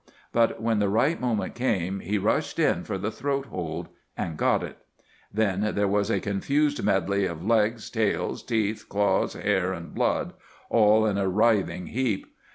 But when the right moment came he rushed in for the throat hold—and got it. Then there was a confused medley of legs, tails, teeth, claws, hair, and blood, all in a writhing heap.